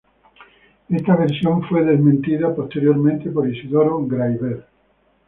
Esta versión fue desmentida posteriormente por Isidoro Graiver.